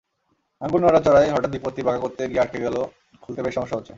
আঙুল নড়াচড়ায় হঠাৎ বিপত্তি, বাঁকা করতে গিয়ে আটকে গেল, খুলতে বেশ সমস্যা হচ্ছে।